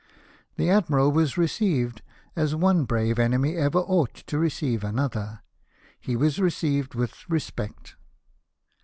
The Admiral was received as one brave enemy ever ought to receive another — he was received with respect."